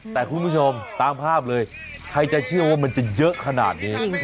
แต่คุณผู้ชมตามภาพเลยใครจะเชื่อว่ามันจะเยอะขนาดนี้